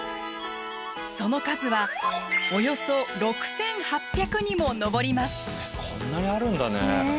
その数はおよそ６，８００にも上ります。